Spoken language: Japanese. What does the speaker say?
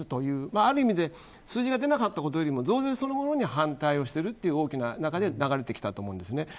ある意味で数字が出なかったことよりも増税そのものに反対しているという流れで出てきたと思います。